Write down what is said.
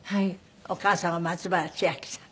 お母様が松原千明さん。